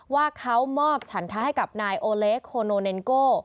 ว่าเขามอบฉันทะให้กับนายโอเล็กโคโนเนนโก้